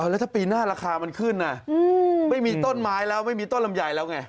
แล้วถ้าปีหน้าราคามันขึ้นไม่มีต้นไม้แล้วไม่มีต้นลำไยแล้วไง